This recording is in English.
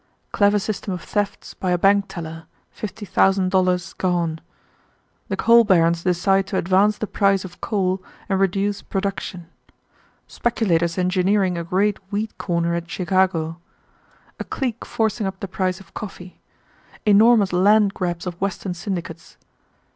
Clever system of thefts by a bank teller; $50,000 gone. The coal barons decide to advance the price of coal and reduce production. Speculators engineering a great wheat corner at Chicago. A clique forcing up the price of coffee. Enormous land grabs of Western syndicates.